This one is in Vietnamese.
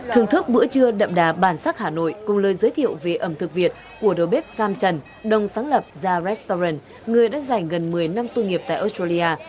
thưởng thức bữa trưa đậm đà bản sắc hà nội cùng lời giới thiệu về ẩm thực việt của đồ bếp sam trần đồng sáng lập ja restern người đã dành gần một mươi năm tu nghiệp tại australia